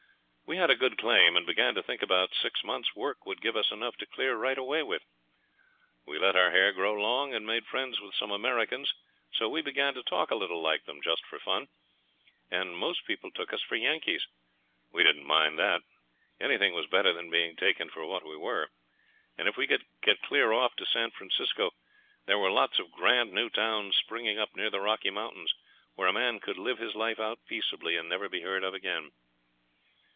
We had a good claim, and began to think about six months' work would give us enough to clear right away with. We let our hair grow long, and made friends with some Americans, so we began to talk a little like them, just for fun, and most people took us for Yankees. We didn't mind that. Anything was better than being taken for what we were. And if we could get clear off to San Francisco there were lots of grand new towns springing up near the Rocky Mountains, where a man could live his life out peaceably, and never be heard of again.